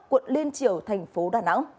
quận liên triều thành phố đà nẵng